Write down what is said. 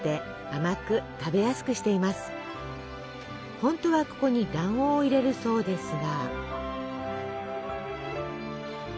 本当はここに卵黄を入れるそうですが。